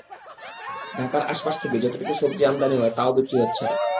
ঢাকার আশপাশ থেকে যতটুকু সবজি আমদানি হয়, তা-ও বিক্রি হচ্ছে না।